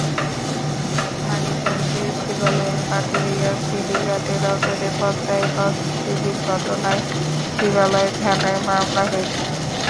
মানিকগঞ্জের শিবালয়ের পাটুরিয়া ফেরিঘাটের অদূরে পদ্মায় লঞ্চডুবির ঘটনায় শিবালয় থানায় মামলা হয়েছে।